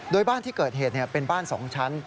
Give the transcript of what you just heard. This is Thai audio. โดยบ้านที่เกิดเหตุเป็นบ้าน๒ชั้น